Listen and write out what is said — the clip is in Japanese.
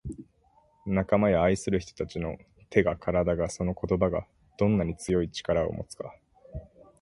「仲間や愛する人達の手が体がその言葉がどんなに強い力を持つか」